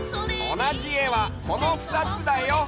おなじえはこのふたつだよ！